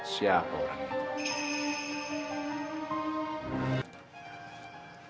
siapa orang itu